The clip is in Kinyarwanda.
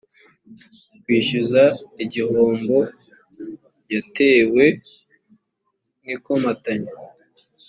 kwishyuza igihombo yatewe n ikomatanya